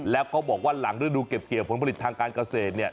แล้วเขาบอกว่าหลังฤดูเก็บเกี่ยวผลผลิตทางการเกษตรเนี่ย